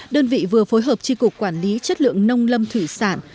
đơn vị vừa phối hợp tri cục quản lý chất lượng nông lâm thủy sản